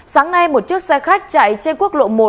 sáng nay một chiếc xe khách chạy trên quốc lộ một